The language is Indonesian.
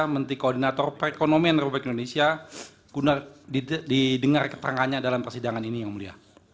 menteri koordinator perekonomian republik indonesia guna didengar keterangannya dalam persidangan ini yang mulia